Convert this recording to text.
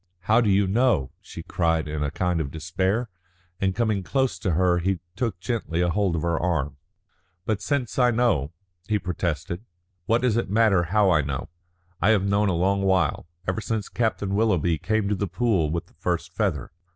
"How do you know?" she cried in a kind of despair, and coming close to her he took gently hold of her arm. "But since I know," he protested, "what does it matter how I know? I have known a long while, ever since Captain Willoughby came to The Pool with the first feather.